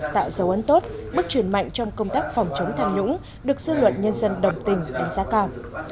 tạo dấu ấn tốt bước chuyển mạnh trong công tác phòng chống tham nhũng được dư luận nhân dân đồng tình đánh giá cao